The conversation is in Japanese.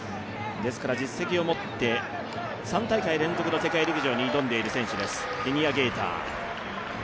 実績を持って３大会連続の世界陸上に挑んでいる選手です、ティニア・ゲイター。